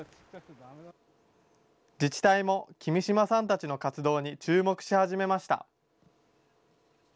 自治体も君島さんたちの活動に注目し始めました。